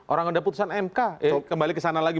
orang ada putusan mk kembali ke sana lagi